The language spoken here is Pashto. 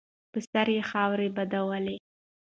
په سر یې خاورې بادولې.